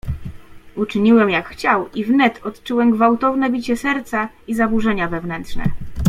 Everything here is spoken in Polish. "Uczyniłem jak chciał i wnet odczułem gwałtowne bicie serca i zaburzenia wewnętrzne."